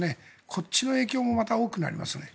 こっちの影響もまた大きくなりますよね。